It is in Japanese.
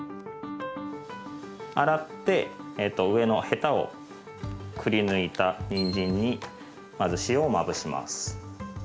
洗って上のヘタをくりぬいたにんじんにまず塩をまぶします。